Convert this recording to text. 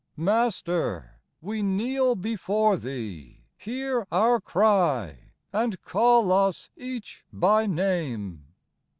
Master ! we kneel before Thee \ hear our cry, And call us each by name.